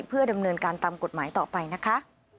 เพื่อดำเนินการตามกฎหมายต่อไปนะคะ